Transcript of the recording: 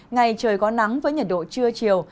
ngày trời có nắng với nhiệt độ trưa chiều